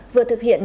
vừa thực hiện